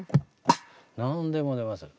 何でも出ますね。